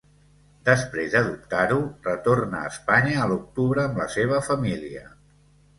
Després de dubtar-ho, retorna a Espanya a l'octubre amb la seva família.